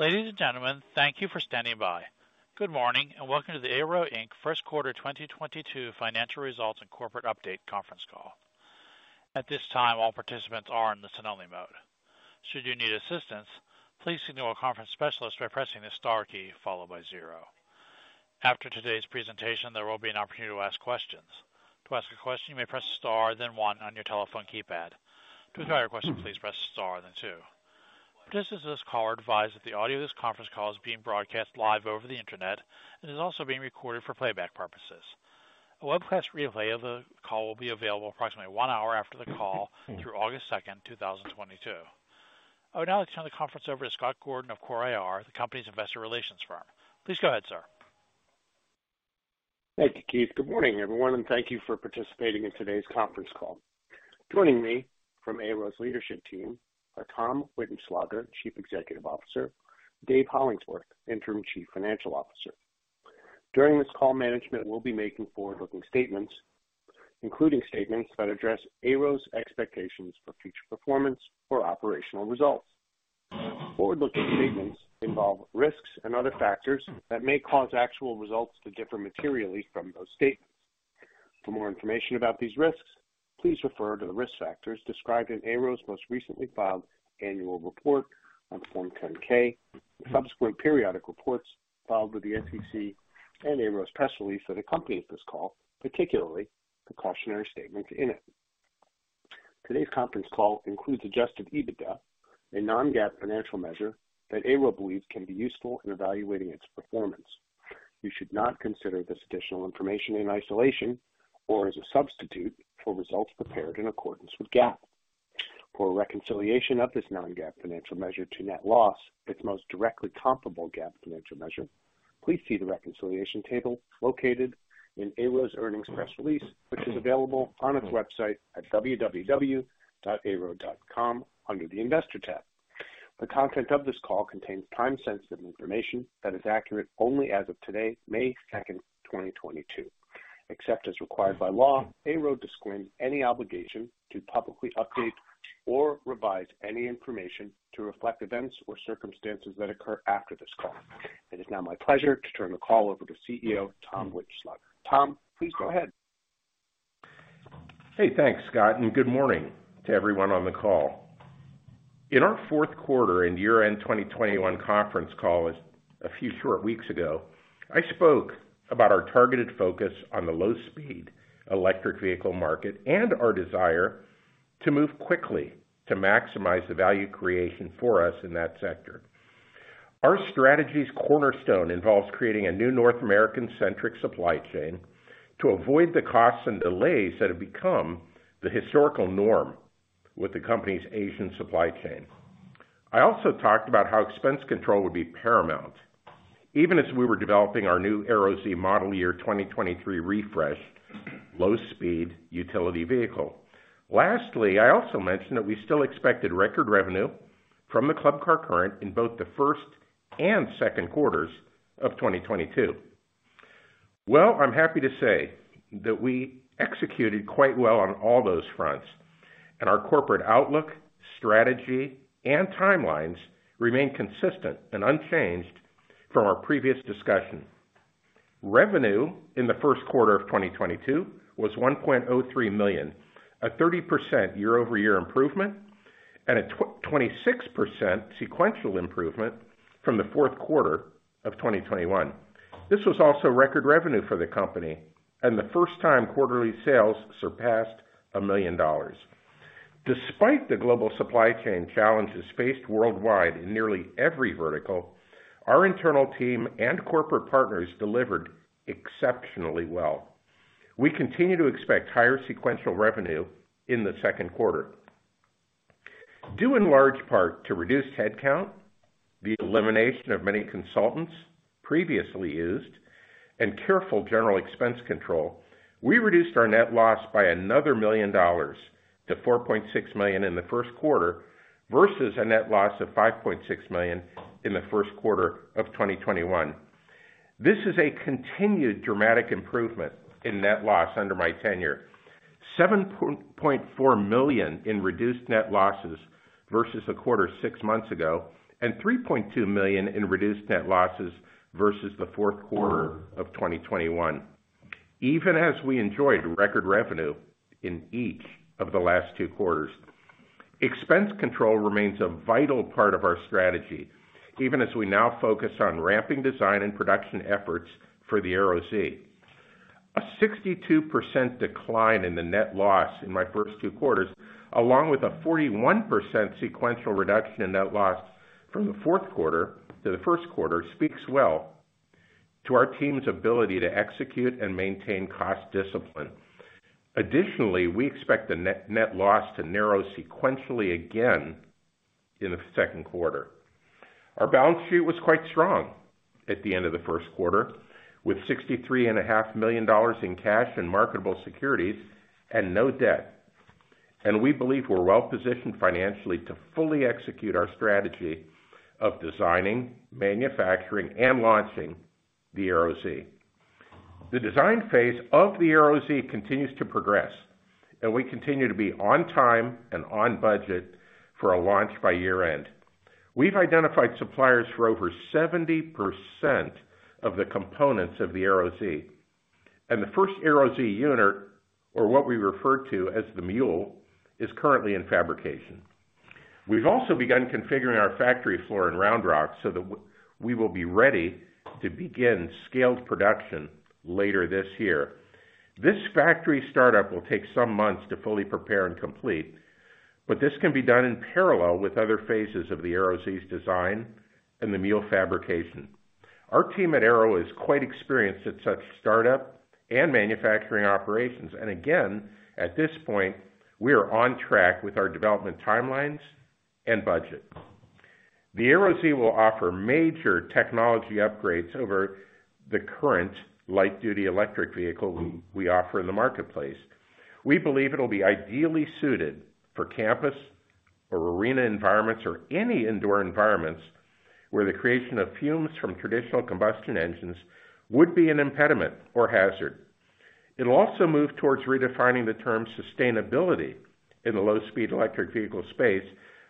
Ladies and gentlemen, thank you for standing by. Good morning, and welcome to the AYRO, Inc. First Quarter 2022 Financial Results and Corporate Update conference call. At this time, all participants are in the listen-only mode. Should you need assistance, please signal a conference specialist by pressing the star key followed by zero. After today's presentation, there will be an opportunity to ask questions. To ask a question, you may press star then one on your telephone keypad. To withdraw your question, please press star then two. Participants of this call are advised that the audio of this conference call is being broadcast live over the Internet and is also being recorded for playback purposes. A webcast replay of the call will be available approximately one hour after the call through August second, two thousand twenty-two. I would now like to turn the conference over to Scott Gordon of CORE IR, the company's investor relations firm. Please go ahead, sir. Thank you, Keith. Good morning, everyone, and thank you for participating in today's conference call. Joining me from AYRO's leadership team are Tom Wittenschlaeger, Chief Executive Officer, Dave Hollingsworth, Interim Chief Financial Officer. During this call, management will be making forward-looking statements, including statements that address AYRO's expectations for future performance or operational results. Forward-looking statements involve risks and other factors that may cause actual results to differ materially from those statements. For more information about these risks, please refer to the risk factors described in AYRO's most recently filed annual report on Form 10-K, subsequent periodic reports filed with the SEC, and AYRO's press release that accompanies this call, particularly the cautionary statements in it. Today's conference call includes adjusted EBITDA, a non-GAAP financial measure that AYRO believes can be useful in evaluating its performance. You should not consider this additional information in isolation or as a substitute for results prepared in accordance with GAAP. For a reconciliation of this non-GAAP financial measure to net loss, its most directly comparable GAAP financial measure, please see the reconciliation table located in AYRO's earnings press release, which is available on its website at www.ayro.com under the Investor tab. The content of this call contains time-sensitive information that is accurate only as of today, May second, 2022. Except as required by law, AYRO disclaims any obligation to publicly update or revise any information to reflect events or circumstances that occur after this call. It is now my pleasure to turn the call over to CEO Tom Wittenschlaeger. Tom, please go ahead. Hey, thanks, Scott, and good morning to everyone on the call. In our fourth quarter and year-end 2021 conference call a few short weeks ago, I spoke about our targeted focus on the low-speed electric vehicle market and our desire to move quickly to maximize the value creation for us in that sector. Our strategy's cornerstone involves creating a new North American-centric supply chain to avoid the costs and delays that have become the historical norm with the company's Asian supply chain. I also talked about how expense control would be paramount, even as we were developing our new AYRO Z Model Year 2023 refreshed low-speed utility vehicle. Lastly, I also mentioned that we still expected record revenue from the Club Car Current in both the first and second quarters of 2022. Well, I'm happy to say that we executed quite well on all those fronts, and our corporate outlook, strategy, and timelines remain consistent and unchanged from our previous discussion. Revenue in the first quarter of 2022 was $1.03 million, a 30% year-over-year improvement and a 26% sequential improvement from the fourth quarter of 2021. This was also record revenue for the company and the first time quarterly sales surpassed $1 million. Despite the global supply chain challenges faced worldwide in nearly every vertical, our internal team and corporate partners delivered exceptionally well. We continue to expect higher sequential revenue in the second quarter. Due in large part to reduced headcount, the elimination of many consultants previously used, and careful general expense control, we reduced our net loss by another $1 million to $4.6 million in the first quarter versus a net loss of $5.6 million in the first quarter of 2021. This is a continued dramatic improvement in net loss under my tenure. $7.4 million in reduced net losses versus a quarter six months ago, and $3.2 million in reduced net losses versus the fourth quarter of 2021, even as we enjoyed record revenue in each of the last two quarters. Expense control remains a vital part of our strategy, even as we now focus on ramping design and production efforts for the AYRO Z. A 62% decline in the net loss in my first two quarters, along with a 41% sequential reduction in net loss from the fourth quarter to the first quarter speaks well to our team's ability to execute and maintain cost discipline. Additionally, we expect the net loss to narrow sequentially again in the second quarter. Our balance sheet was quite strong at the end of the first quarter, with $63 and a half million in cash and marketable securities and no debt. We believe we're well-positioned financially to fully execute our strategy of designing, manufacturing, and launching the AYRO Z. The design phase of the AYRO Z continues to progress, and we continue to be on time and on budget for a launch by year-end. We've identified suppliers for over 70% of the components of the AYRO Z. The first AYRO Z unit, or what we refer to as the mule, is currently in fabrication. We've also begun configuring our factory floor in Round Rock so that we will be ready to begin scaled production later this year. This factory startup will take some months to fully prepare and complete, but this can be done in parallel with other phases of the AYRO Z's design and the mule fabrication. Our team at AYRO is quite experienced at such startup and manufacturing operations. At this point, we are on track with our development timelines and budget. The AYRO Z will offer major technology upgrades over the current light-duty electric vehicle we offer in the marketplace. We believe it'll be ideally suited for campus or arena environments or any indoor environments where the creation of fumes from traditional combustion engines would be an impediment or hazard. It'll also move towards redefining the term sustainability in the low-speed electric vehicle space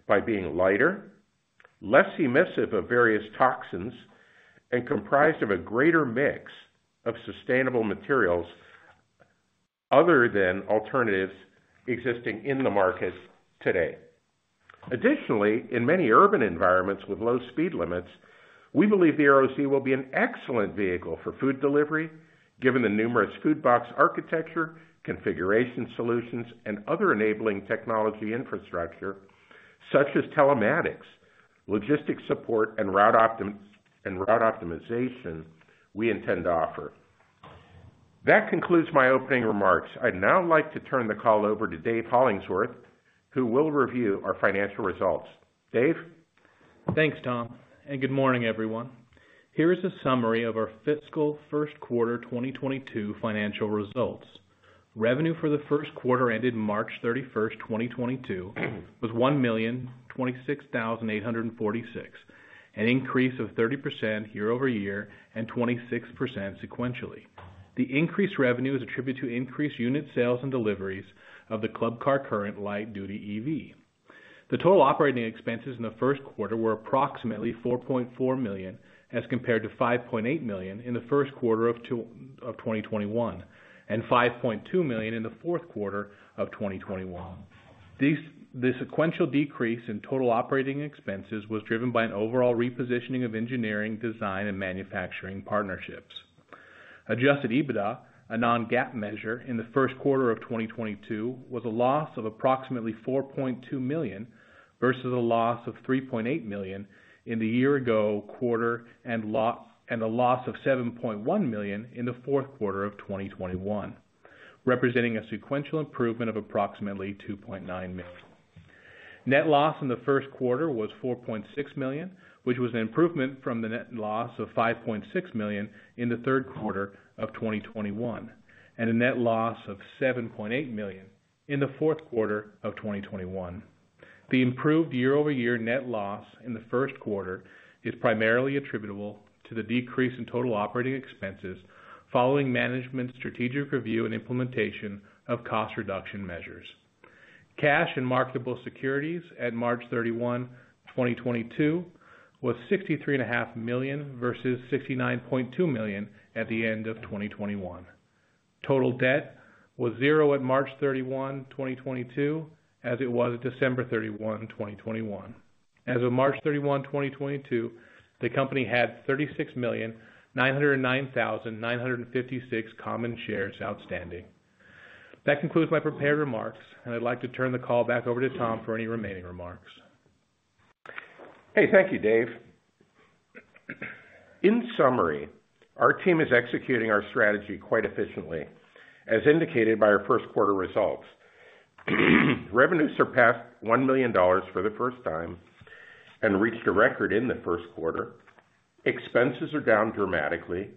by being lighter, less emissive of various toxins, and comprised of a greater mix of sustainable materials other than alternatives existing in the market today. Additionally, in many urban environments with low speed limits, we believe the AYRO Z will be an excellent vehicle for food delivery, given the numerous food box architecture, configuration solutions, and other enabling technology infrastructure such as telematics, logistics support, and route optimization we intend to offer. That concludes my opening remarks. I'd now like to turn the call over to Dave Hollingsworth, who will review our financial results. Dave? Thanks, Tom, and good morning, everyone. Here is a summary of our fiscal first quarter 2022 financial results. Revenue for the first quarter ended March 31, 2022 was $1,026,846, an increase of 30% year over year and 26% sequentially. The increased revenue is attributed to increased unit sales and deliveries of the Club Car Current light-duty EV. The total operating expenses in the first quarter were approximately $4.4 million as compared to $5.8 million in the first quarter of 2021 and $5.2 million in the fourth quarter of 2021. The sequential decrease in total operating expenses was driven by an overall repositioning of engineering, design, and manufacturing partnerships. Adjusted EBITDA, a non-GAAP measure, in the first quarter of 2022 was a loss of approximately $4.2 million versus a loss of $3.8 million in the year-ago quarter and a loss of $7.1 million in the fourth quarter of 2021, representing a sequential improvement of approximately $2.9 million. Net loss in the first quarter was $4.6 million, which was an improvement from the net loss of $5.6 million in the third quarter of 2021, and a net loss of $7.8 million in the fourth quarter of 2021. The improved year-over-year net loss in the first quarter is primarily attributable to the decrease in total operating expenses following management's strategic review and implementation of cost reduction measures. Cash and marketable securities at March 31, 2022 was $63.5 million versus $69.2 million at the end of 2021. Total debt was zero at March 31, 2022, as it was at December 31, 2021. As of March 31, 2022, the company had 36,909,956 common shares outstanding. That concludes my prepared remarks, and I'd like to turn the call back over to Tom for any remaining remarks. Hey, thank you, Dave. In summary, our team is executing our strategy quite efficiently, as indicated by our first quarter results. Revenue surpassed $1 million for the first time and reached a record in the first quarter. Expenses are down dramatically.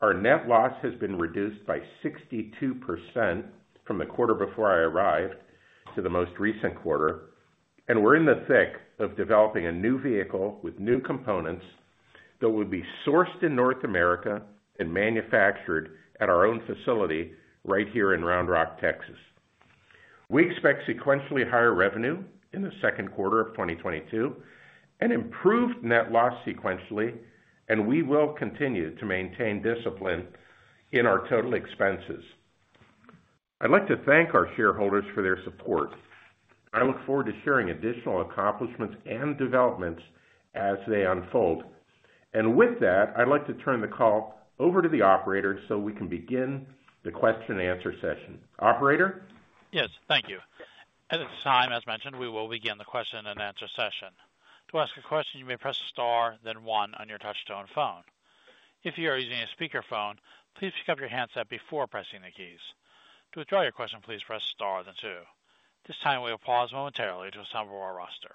Our net loss has been reduced by 62% from the quarter before I arrived to the most recent quarter. We're in the thick of developing a new vehicle with new components that will be sourced in North America and manufactured at our own facility right here in Round Rock, Texas. We expect sequentially higher revenue in the second quarter of 2022 and improved net loss sequentially, and we will continue to maintain discipline in our total expenses. I'd like to thank our shareholders for their support. I look forward to sharing additional accomplishments and developments as they unfold. With that, I'd like to turn the call over to the operator so we can begin the question and answer session. Operator? Yes. Thank you. At this time, as mentioned, we will begin the question and answer session. To ask a question, you may press star then one on your touch-tone phone. If you are using a speakerphone, please pick up your handset before pressing the keys. To withdraw your question, please press star then two. This time we will pause momentarily to assemble our roster.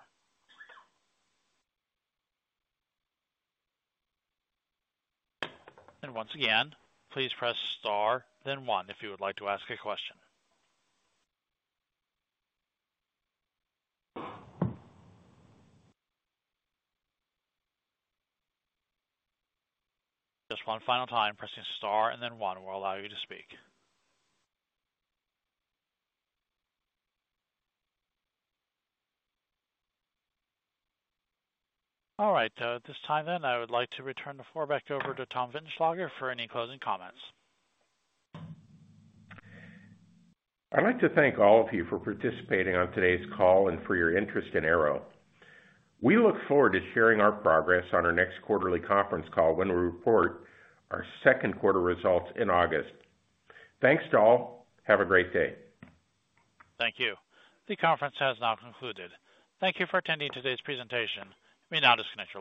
Once again, please press star then one if you would like to ask a question. Just one final time, pressing star and then one will allow you to speak. All right. At this time then, I would like to return the floor back over to Tom Wittenschlaeger for any closing comments. I'd like to thank all of you for participating on today's call and for your interest in AYRO. We look forward to sharing our progress on our next quarterly conference call when we report our second quarter results in August. Thanks to all. Have a great day. Thank you. The conference has now concluded. Thank you for attending today's presentation. You may now disconnect.